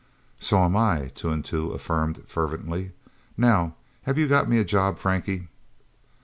"So am I," Two and Two affirmed fervently. "Now, have you got me a job, Frankie?"